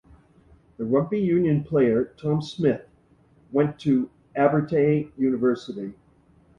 The rugby union player Tom Smith went to Abertay University.